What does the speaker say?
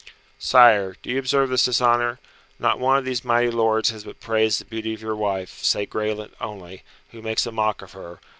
"Sire, do you observe this dishonour! Not one of these mighty lords but has praised the beauty of your wife, save Graelent only, who makes a mock of her.